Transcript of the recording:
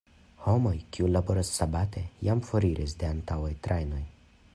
Homoj, kiuj laboras sabate jam foriris de antaŭaj trajnoj.